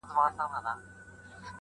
د انسان زړه آیینه زړه یې صیقل دی-